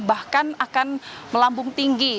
bahkan akan melambung tinggi